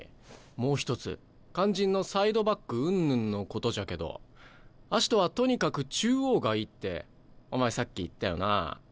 もう一つ肝心のサイドバックうんぬんのことじゃけどアシトはとにかく中央がいいってお前さっき言ったよなあ。